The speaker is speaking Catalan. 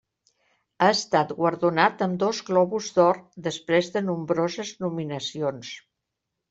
Ha estat guardonat amb dos Globus d'Or després de nombroses nominacions.